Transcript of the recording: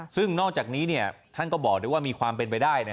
ซึ่งนอกจากนี้ท่านก็บอกด้วยว่ามีความเป็นไปได้